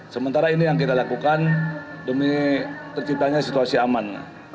sementara ini yang kita lakukan demi terciptanya situasi aman